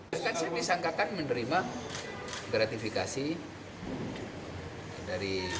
saya disangkakan menerima gratifikasi dari